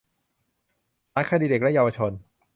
ศาลคดีเด็กและเยาวชน